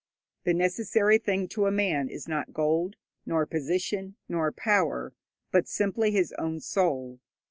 The necessary thing to a man is not gold, nor position, nor power, but simply his own soul.